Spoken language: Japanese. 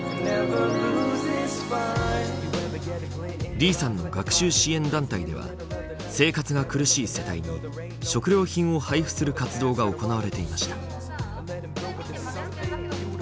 李さんの学習支援団体では生活が苦しい世帯に食料品を配布する活動が行われていました。